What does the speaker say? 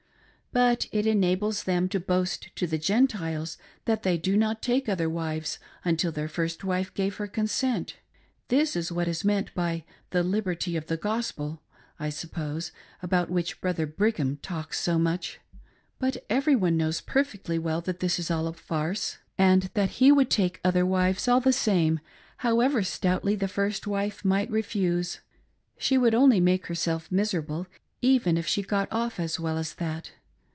But it enables them to boast to the Gentiles that they do not take othet wives until their first wife gave her consent. This is what is meant by ' the liberty of the Gospel,' I suppose, about which Brothet Brigham talks so much. But every one knows per fectly well that this is all a farce, and that he would take other wives all the same however stoutly the first wife might re fuse. She would only make herself miserable, even if she got off as well as that.